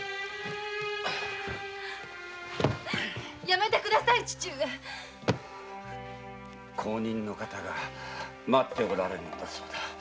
やめて下さい父上後任の方が待っておられるそうだ。